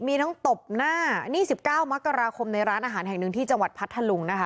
มีทั้งตบหน้านี่๑๙มกราคมในร้านอาหารแห่งหนึ่งที่จังหวัดพัทธลุงนะคะ